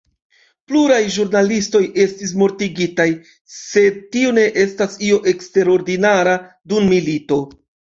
Pluraj ĵurnalistoj estis mortigitaj, sed tio ne estas io eksterordinara dum milito.